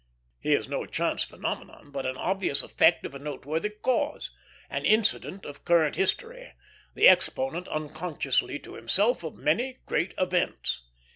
He is no chance phenomenon, but an obvious effect of a noteworthy cause; an incident of current history, the exponent, unconsciously to himself, of many great events.